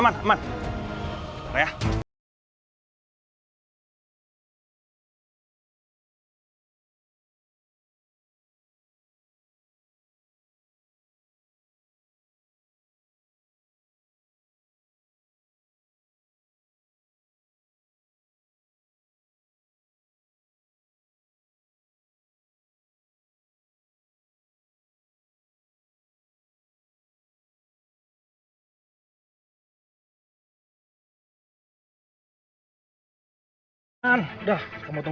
berita terkini mengenai musim panjang